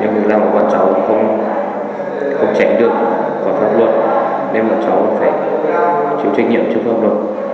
nhưng mà bọn cháu không tránh được còn pháp luật nên bọn cháu phải chịu trách nhiệm trước pháp luật